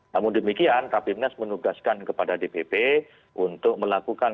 namun demikian rapimnas menugaskan kepada dpp untuk melakukan